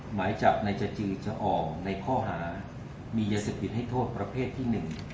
หมายจับในจจีจะออกในข้อหามียาเสพติดให้โทษประเภทที่๑